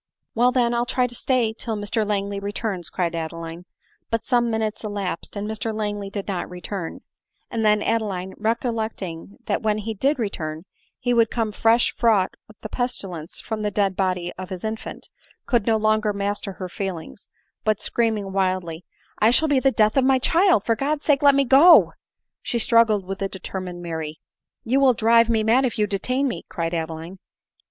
" Well, then, I '11 try to stay till Mr Langley returns," cried Ade line ; but some minutes elapsed, and Mr Langley did not return ; and then Adeline, recollecting that when he did return he would come fresh fraught with the pesti lence from the dead body of his infant, could no longer master her feelings, but screaming wildly— " I shall be the death of my child ; for God's sake let me go," — she struggled with the determined Mary. "You will drive me mad if you detain me," cried Adeline.